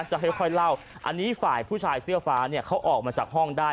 ใส่เล่าฝ่ายผู้ชายเสื้อฟ้าเขาออกมาจากห้องได้